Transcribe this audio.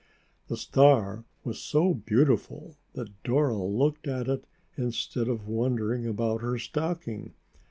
The star was so beautiful that Dora looked at it instead of wondering about her stocking.